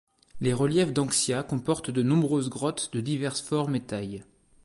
Les reliefs Danxia comportent de nombreuses grottes de diverses formes et tailles.